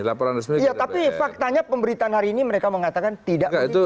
iya tapi faktanya pemberitaan hari ini mereka mengatakan tidak begitu